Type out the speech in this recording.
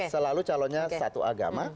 selalu calonnya satu agama